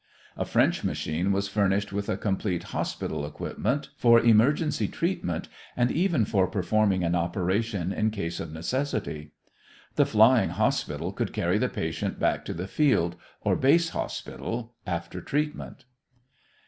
A French machine was furnished with a complete hospital equipment for emergency treatment and even for performing an operation in case of necessity. The flying hospital could carry the patient back to the field or base hospital after treatment.